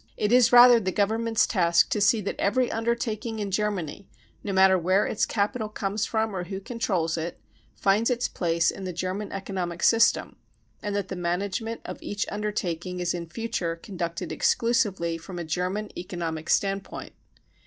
It is rather the Government's task to see that every undertaking in Germany , no matter where its capital comes from or who controls it, finds its place in the German economic system, and that the management of each undertaking is in future conducted exclusively from a German economic standpoint.